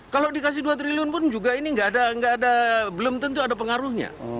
kalau dikasih dua triliun pun juga ini nggak ada nggak ada belum tentu ada pengaruhnya